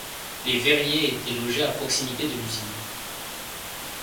Les verriers étaient logés à proximité de l'usine.